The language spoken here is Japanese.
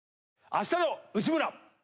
『あしたの内村！！』